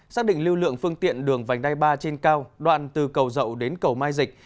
xác định lưu lượng phương tiện đường vành đai ba trên cao đoạn từ cầu dậu đến cầu mai dịch